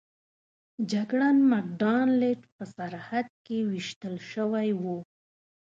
جګړن مک ډانلډ په سرحد کې ویشتل شوی و.